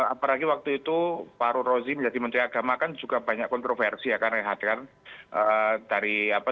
apalagi waktu itu farul rozi menjadi menteri agama kan juga banyak kontroversi ya